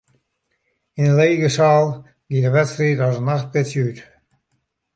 Yn de lege seal gie de wedstriid as in nachtpitsje út.